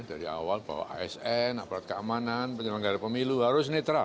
dari awal bahwa asn aparat keamanan penyelenggara pemilu harus netral